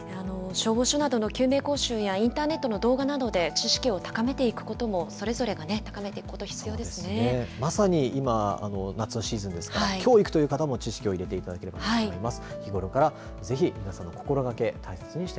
消防署などの救命講習やインターネットの動画などで知識を高めていくこともそれぞれが高めていくこともまさに今夏のシーズンですからきょうから行くという方も知識を入れていただければと思います。